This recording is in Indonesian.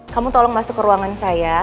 kamu tolong masuk ke ruangan saya